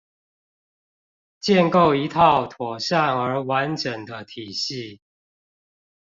建構一套妥善而完整的體系